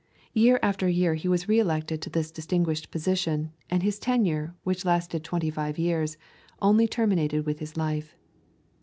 Year after year he was re elected to this distinguished position, and his tenure, which lasted twenty five years, only terminated with his life.